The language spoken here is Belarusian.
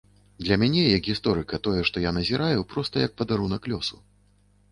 Для мяне як гісторыка тое, што я назіраю, проста як падарунак лёсу.